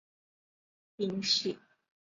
引起在校学生的不满及社会媒体关注。